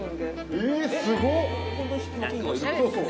えぇすごっ。